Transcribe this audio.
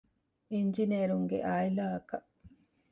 އިންޖިނޭރުންގެ ޢާއިލާ އަކަށް